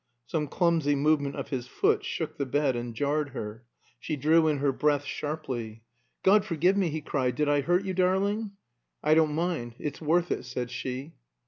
Some clumsy movement of his foot shook the bed and jarred her. She drew in her breath sharply. "God forgive me!" he cried, "did I hurt you, darling?" "I don't mind. It's worth it," said she.